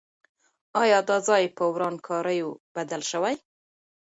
آیا دا ځای په ورانکاریو بدل سوی؟